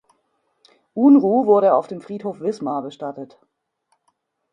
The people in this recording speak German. Unruh wurde auf dem Friedhof Wismar bestattet.